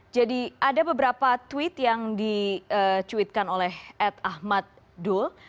jadi ada beberapa tweet yang dicuitkan oleh at ahmad dul